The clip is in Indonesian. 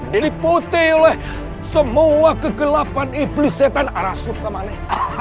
diliputi oleh semua kegelapan iblis setan arasukamane